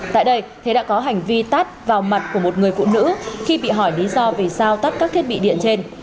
tại đây thế đã có hành vi tắt vào mặt của một người phụ nữ khi bị hỏi lý do vì sao tắt các thiết bị điện trên